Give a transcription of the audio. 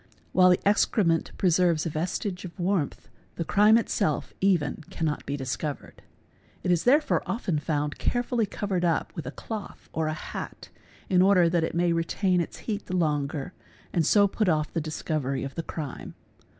While the excrement preserves a vestige of warmth the crime itself even cannot be discovered. It is therefore often found carefully covered up with a cloth or a hat in order that it may retain its heat the longer and so put off the discovery of the crime.